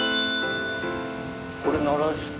これ鳴らして？